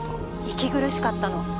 息苦しかったの。